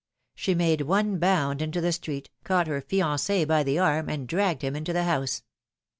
She made one bound into the street, caught her fiance by the arm, and dragged him into the house.